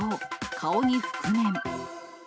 顔に覆面。